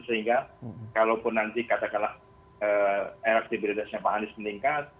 sehingga kalaupun nanti kata kala elaktibilitasnya pak anies meningkat